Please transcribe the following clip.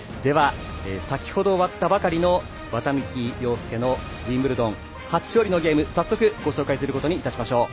先ほど終わったばかりの綿貫陽介のウィンブルドン初勝利のゲーム早速ご紹介することにいたしましょう。